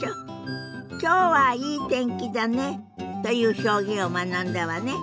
「きょうはいい天気だね」という表現を学んだわね。